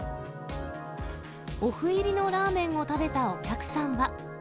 おふ入りのラーメンを食べたお客さんは。